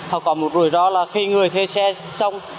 họ có một rủi ro là khi người thuê xe xong